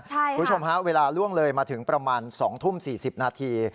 คุณผู้ชมฮะเวลาล่วงเลยมาถึงประมาณ๒ทุ่ม๔๐นาที